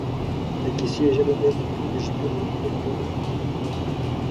د کیسې ژبه باید د ټولو ژبې ویونکو لپاره د پوهېدو وړ وي